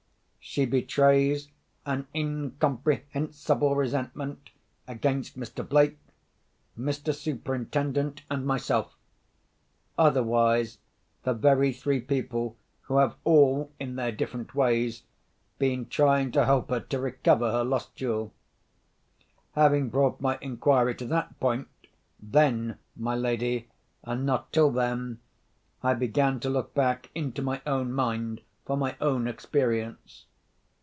She betrays an incomprehensible resentment against Mr. Blake, Mr. Superintendent, and myself—otherwise, the very three people who have all, in their different ways, been trying to help her to recover her lost jewel. Having brought my inquiry to that point—then, my lady, and not till then, I begin to look back into my own mind for my own experience.